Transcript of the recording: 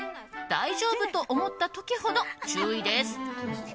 大丈夫と思った時ほど注意です。